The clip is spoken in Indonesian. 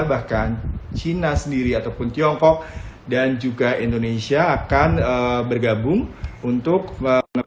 bahkan china sendiri ataupun tiongkok dan juga indonesia akan bergabung untuk mengembangkan